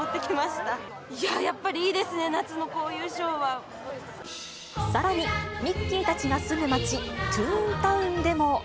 やっぱりいいですね、夏のこさらに、ミッキーたちが住む街、トゥーンタウンでも。